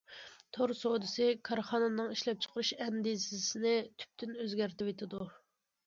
تور سودىسى كارخانىنىڭ ئىشلەپچىقىرىش ئەندىزىسىنى تۈپتىن ئۆزگەرتىۋېتىدۇ.